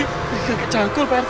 kakek cangkul pak rt